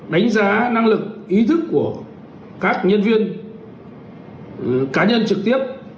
đánh giá năng lực ý thức của các nhân viên cá nhân trực tiếp